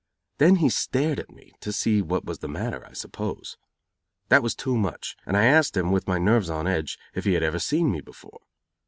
Then he stared at me, to see what was the matter, I suppose. That was too much, and I asked him, with my nerves on edge, if he had ever seen me before.